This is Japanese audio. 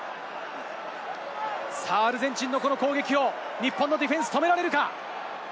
アルゼンチンの攻撃を日本のディフェンス、止められるか？